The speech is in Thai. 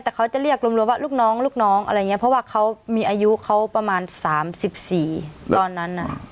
แต่เขาจะเรียกรวมว่าลูกน้องลูกน้องอะไรอย่างนี้เพราะว่าเขามีอายุเขาประมาณ๓๔ตอนนั้น